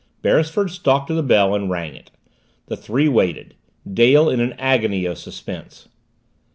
Beresford stalked to the bell and rang it. The three waited Dale in an agony of suspense.